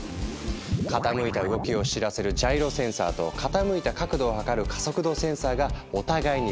傾いた動きを知らせるジャイロセンサーと傾いた角度を測る加速度センサーがお互いにフォローし合う。